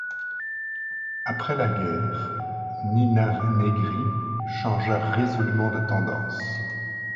Après la guerre, Nina Negri changea résolument de tendance.